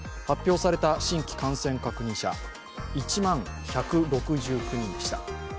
発表された新規感染確認者、１万１６９人でした。